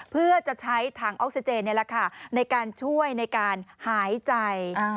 เพื่อจะใช้ถังออกซิเจนในการช่วยในการหายใจ